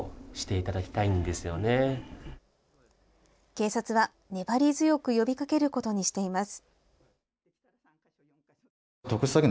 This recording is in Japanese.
警察は、粘り強く呼びかけることにしています。